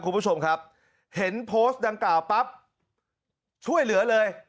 คุณผู้ชมครับเห็นโพสต์ดังกล่าวปั๊บช่วยเหลือเลย